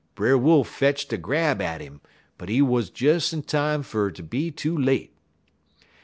Brer Wolf fetcht a grab at 'im, but he wuz des in time fer ter be too late.